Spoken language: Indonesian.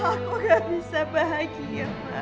kenapa aku gak bisa bahagia ma